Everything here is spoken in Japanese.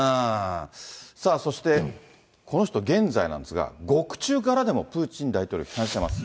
さあ、そしてこの人、現在なんですが、獄中からでもプーチン大統領を批判しています。